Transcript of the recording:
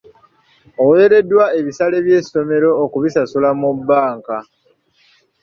Oweereddwa ebisale by’essomero okubisasula mu bbanka.